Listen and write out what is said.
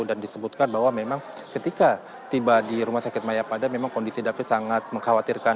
dan disebutkan bahwa memang ketika tiba di rumah sakit maya pada memang kondisi david sangat mengkhawatirkan